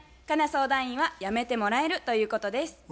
佳奈相談員は「やめてもらえる」ということです。